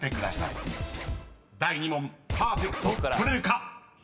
［第２問パーフェクト取れるか⁉］